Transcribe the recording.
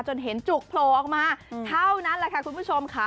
จนเห็นจุกโผล่ออกมาเท่านั้นแหละค่ะคุณผู้ชมค่ะ